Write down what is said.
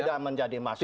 tidak menjadi masalah